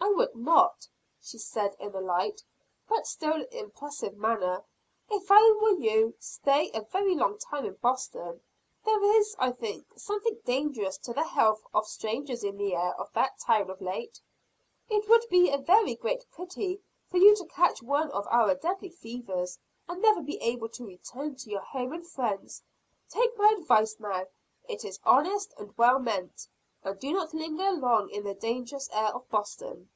"I would not," she said in a light, but still impressive manner, "if I were you, stay a very long time in Boston. There is, I think, something dangerous to the health of strangers in the air of that town, of late. It would be a very great pity for you to catch one of our deadly fevers, and never be able to return to your home and friends. Take my advice now it is honest and well meant and do not linger long in the dangerous air of Boston."